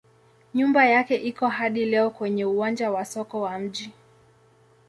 Nyumba yake iko hadi leo kwenye uwanja wa soko wa mji.